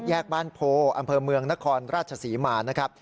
แยกบ้านโพอำเภอเมืองนครราชศรีมา